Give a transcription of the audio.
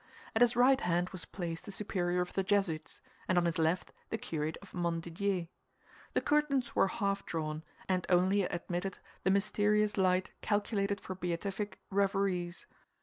At his right hand was placed the superior of the Jesuits, and on his left the curate of Montdidier. The curtains were half drawn, and only admitted the mysterious light calculated for beatific reveries.